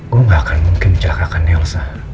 gue gak akan mungkin mencelakakan elsa